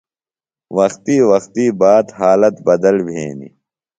وقتی وقتی بات حالت بدل بھینیۡ۔